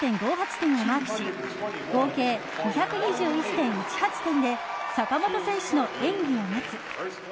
点をマークし合計２２１．１８点で坂本選手の演技を待つ。